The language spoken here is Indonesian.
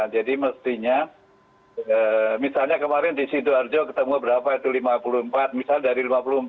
jadi mestinya misalnya kemarin di situ arjo ketemu berapa itu lima puluh empat misalnya dari lima puluh empat yang positif